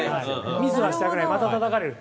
ミスはしたくないまた、たたかれると。